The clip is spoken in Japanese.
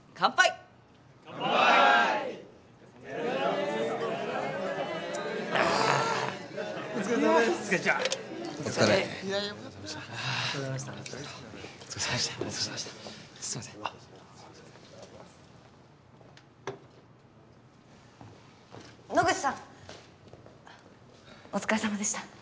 お疲れさまでした。